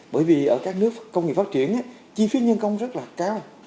bởi vì ở các nước công nghiệp phát triển chi phí nhân công rất là cao